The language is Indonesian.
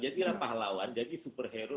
jadilah pahlawan jadi superhero